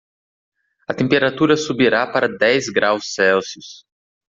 A temperatura subirá para dez graus Celsius.